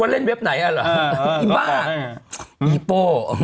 ว่าเล่นเวทไหนอ่ะล่ะอีบ้าอีอิโป้